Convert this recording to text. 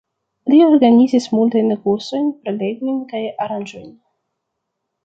Li organizis multajn kursojn, prelegojn kaj aranĝojn.